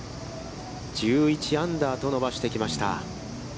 １１アンダーと伸ばしてきました。